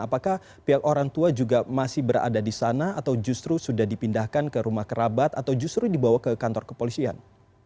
apakah pihak orang tua juga masih berada di sana atau justru sudah dipindahkan ke rumah kerabat atau justru dibawa ke kantor kepolisian